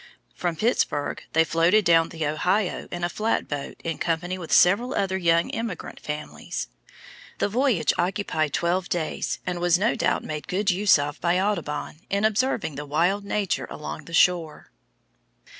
From Pittsburg they floated down the Ohio in a flatboat in company with several other young emigrant families. The voyage occupied twelve days and was no doubt made good use of by Audubon in observing the wild nature along shore.